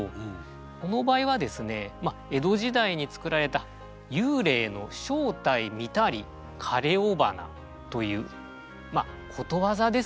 この場合はですねまあ江戸時代に作られた「幽霊の正体見たり枯れ尾花」というまあことわざですね。